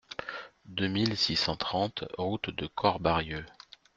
deux mille six cent trente route de Corbarieu